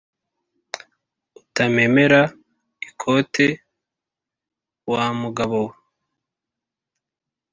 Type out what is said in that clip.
utamemera ikoti wa mugabowe